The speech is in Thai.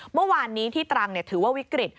เมื่อวานนี้ที่ตรังถือว่าวิกฤต